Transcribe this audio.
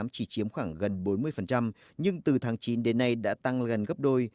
chỉ chiếm khoảng gần bốn mươi nhưng từ tháng chín đến nay đã tăng gần gấp đôi